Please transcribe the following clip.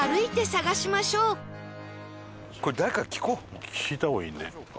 さあ聞いた方がいいね。